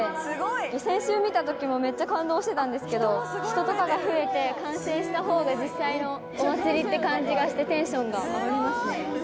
先週見た時もめっちゃ感動してたんですけど人とかが増えて完成したほうが実際のお祭りって感じがしてテンションが上がりますね。